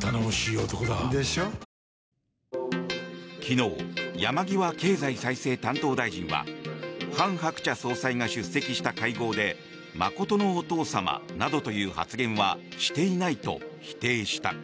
昨日、山際経済再生担当大臣はハン・ハクチャ総裁が出席した会合で真のお父様などという発言はしていないと否定した。